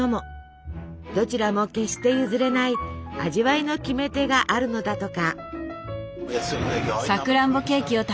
どちらも決して譲れない味わいの決め手があるのだとか。